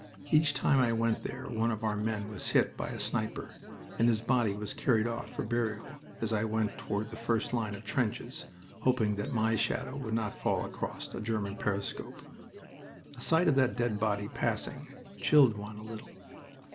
Each time I went there one of our men was hit by a sniper, and his body was carried off for burial as I went toward the first line of trenches, hoping that my shadow would not fall across a German periscope. The sight of that dead body passing chilled one a little.